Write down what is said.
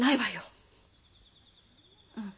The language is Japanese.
うん。